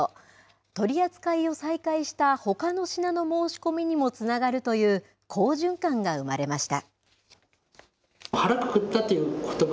取り扱いを再開したほかの品の申し込みにもつながるという好循環が生まれました。